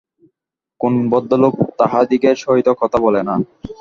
কোন ভদ্রলোক তাহাদিগের সহিত কথা বলে না।